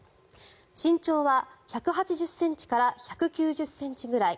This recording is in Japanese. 身長は１８０ｃｍから１９０ｃｍくらい。